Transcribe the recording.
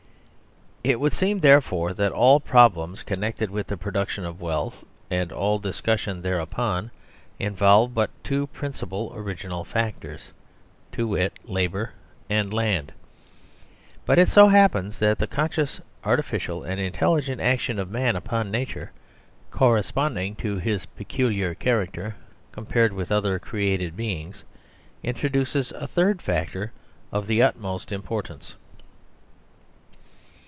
It would seem, therefore, that all problems con nected with the production of wealth, and all discus sion thereupon, involve but two principal original factors, to wit, Labour and Land, But it so happens that the conscious, artificial, and intelligent action of man upon nature, corresponding to his peculiar char acter compared with other created beings, introduces a third factor of the utmost importance.